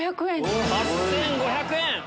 ８５００円！